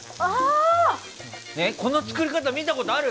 この作り方見たことある？